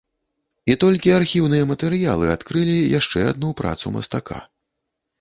І толькі архіўныя матэрыялы адкрылі яшчэ адну працу мастака.